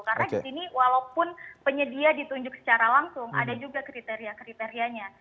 karena di sini walaupun penyedia ditunjuk secara langsung ada juga kriteria kriterianya